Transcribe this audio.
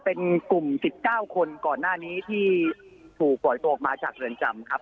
เป็นกลุ่ม๑๙คนก่อนหน้านี้ที่ถูกปล่อยตัวออกมาจากเรือนจำครับ